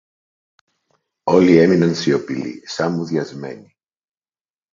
Όλοι έμειναν σιωπηλοί σα μουδιασμένοι.